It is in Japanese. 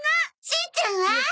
しんちゃんは？